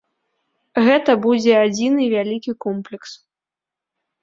Гэта будзе адзіны вялікі комплекс.